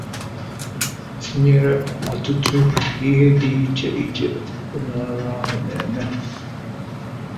tinyere ọtụtụ ihe dị iche iche ụlọọrụ ahụ na-eme.